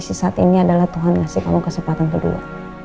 posisi saat ini adalah tuhan ngasih kamu kesempatan kedua